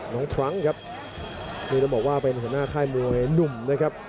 น้องท่านครับจะบอกว่าเป็นหน้าข้ายมวยนุ่มนะครับ